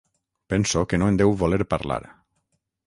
Penso que no en deu voler parlar.